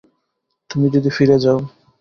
তুমি যদি ফিরে যাও।